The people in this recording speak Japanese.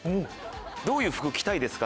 どういう服着たいですか？